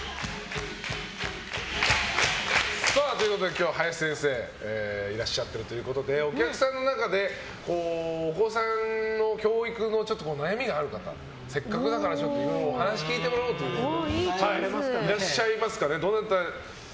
今日は林先生がいらっしゃっているということでお客さんの中でお子さんの教育の悩みがある方、せっかくだからお話を聞いてもらおうという方いらっしゃいますかね。